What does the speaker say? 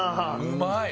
うまい！